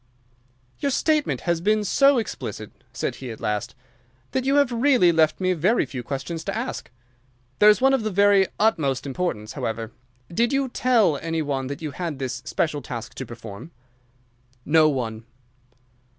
"You statement has been so explicit," said he at last, "that you have really left me very few questions to ask. There is one of the very utmost importance, however. Did you tell any one that you had this special task to perform?" "No one."